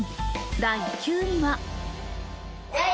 第９位は。